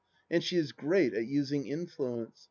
And she is great at using influence.